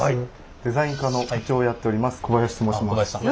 デザイン課の課長をやっております